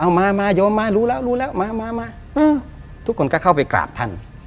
เอ้ามาโยมมารู้แล้วมาทุกคนก็เข้าไปกราบท่าน